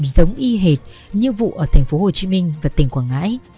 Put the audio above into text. giống y hệt như vụ ở thành phố hồ chí minh và tỉnh quảng ngãi